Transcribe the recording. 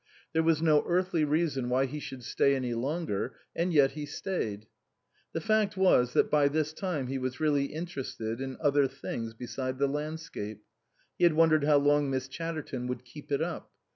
There was no earthly reason why he should stay any longer, and yet he stayed. The fact was, that by this time he was really interested in other things beside the landscape. He had wondered how long Miss Chatterton would keep it up.